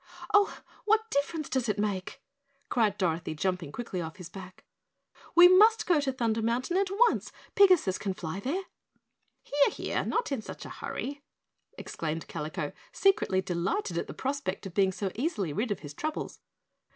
"Oh, what difference does it make?" cried Dorothy, jumping quickly off his back, "we must go to Thunder Mountain at once. Pigasus can fly there." "Here, here, not in such a hurry," exclaimed Kalico, secretly delighted at the prospect of being so easily rid of his troubles.